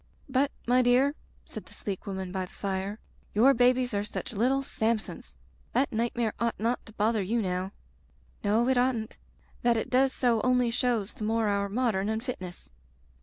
"But, my dear/' said the sleek woman by the fire, "your babies are such little Samsons! That nightmare ought not to bother you now. "No. It oughtn't. That it does so only shows the more our modern unfitness."